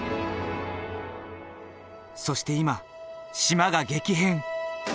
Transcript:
そして今島が激変！